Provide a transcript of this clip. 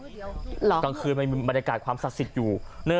กลางคืนมันมีบรรยากาศความศักดิ์สิทธิ์อยู่